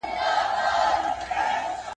سیاستوالو په ټولنه کې پرېکړې وکړې.